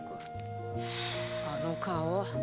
あの顔